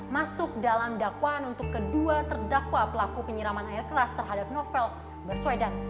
masuk dalam dakwaan untuk kedua terdakwa pelaku penyiraman air keras terhadap novel baswedan